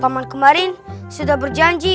paman kemarin sudah berjanji